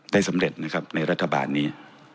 ได้สำเร็จนะครับในรัฐบาลนี้